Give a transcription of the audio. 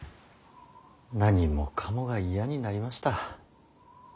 何もかもが嫌になりました。